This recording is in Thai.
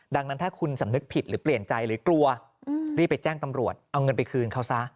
ดังนั้นถ้าคุณสำนึกผิดหรือเปลี่ยนใจหรือกลัวรีบไปแจ้งตำรวจเอาเงินไปคืนเขาซะ